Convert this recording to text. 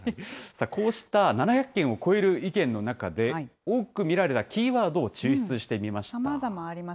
さあ、こうした７００件を超える意見の中で、多く見られたキーワードを抽出してみました。